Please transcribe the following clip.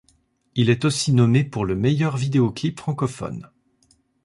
Il est aussi nommé pour le meilleur vidéo-clip francophone.